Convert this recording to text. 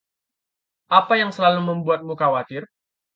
Apa yang selalu membuatmu khawatir?